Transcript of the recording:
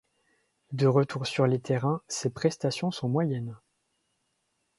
De retour sur les terrains, ses prestations sont moyennes.